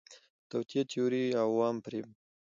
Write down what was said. د توطئې تیوري، عوام فریب